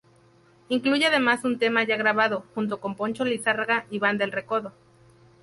Incluye además un tema ya grabado, junto con Poncho Lizárraga y Banda El Recodo.